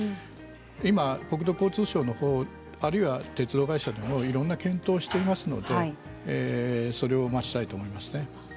今、国土交通省のあるいは鉄道会社もいろいろ検討していますのでそれを待ちたいと思いますね。